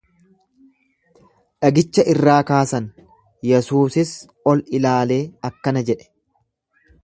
Dhagicha irraa kaasan, Yesuusis ol ilaalee akkana jedhe.